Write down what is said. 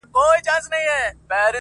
د دوى دا هيله ده.